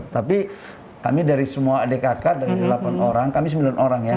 tapi kami dari semua adik kakak dari delapan orang kami sembilan orang ya